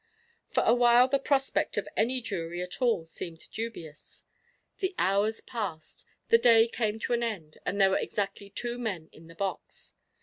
For a while the prospect of any jury at all seemed dubious. The hours passed, the day came to an end, and there were exactly two men in the box.